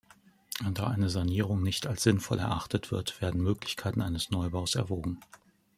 Da eine Sanierung nicht als sinnvoll erachtet wird, werden Möglichkeiten eines Neubaus erwogen.